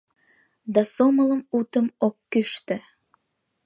Да сомылым, утым, ок кӱштӧ.